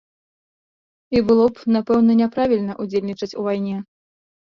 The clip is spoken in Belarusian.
І было б, напэўна, няправільна ўдзельнічаць у вайне.